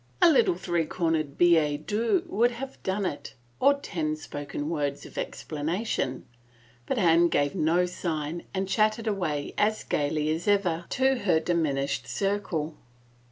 A little three cornered billet doux would have done it, or ten spoken words of explanation. But Anne gave no sign and chattered away as gayly as ever to her dimin 85 THE FAVOR OF KINGS ished circle.